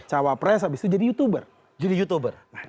cawa press habis itu jadi youtuber jadi youtuber